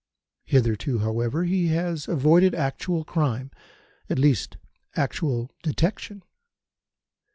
Hitherto, however, he has avoided actual crime at least, actual detection.